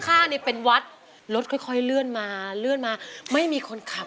ข้างนี่เป็นวัดรถค่อยเลื่อนมาเลื่อนมาไม่มีคนขับ